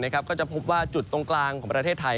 ก็จะพบว่าจุดตรงกลางของประเทศไทย